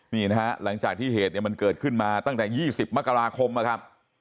นี่นะฮะหลังจากที่เหตุเนี่ยมันเกิดขึ้นมาตั้งแต่๒๐มกราคมนะครับ